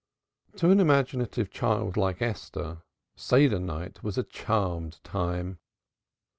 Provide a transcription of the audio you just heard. To an imaginative child like Esther, Seder night was a charmed time.